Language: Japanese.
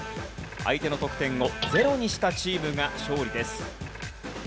相手の得点をゼロにしたチームが勝利です。